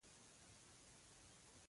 له ځان سره یې وغږېده.